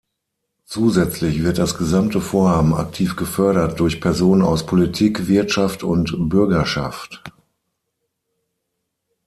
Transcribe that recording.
Zusätzlich wird das gesamte Vorhaben aktiv gefördert durch Personen aus Politik, Wirtschaft und Bürgerschaft.